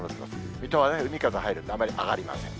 水戸はね、海風入るんであまり上がりません。